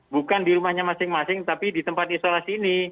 bukan di rumahnya masing masing tapi di tempat isolasi ini